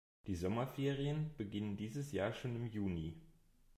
Die Sommerferien beginnen dieses Jahr schon im Juni.